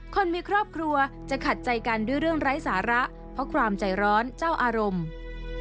คนมีครอบครัวจะขัดใจกันด้วยเรื่องไร้สาระเพราะความใจร้อนเจ้าอารมณ์